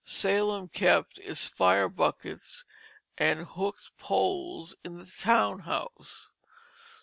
Salem kept its "fire buckets and hook'd poles" in the town house.